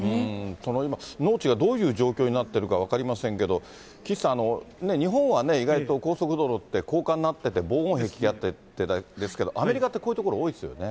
その農地が今、どういう状況になっているか分かりませんけど、岸さん、日本は意外と高速道路って、高架になってて、防音壁があってて、アメリカってこういう所、多いですよね。